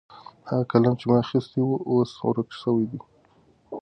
هغه قلم چې ما اخیستی و اوس ورک سوی دی.